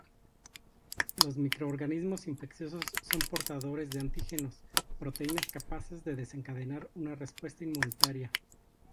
Los microorganismos infecciosos son portadores de antígenos, proteínas capaces de desencadenar una respuesta inmunitaria.